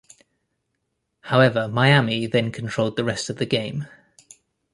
However, Miami then controlled the rest of the game.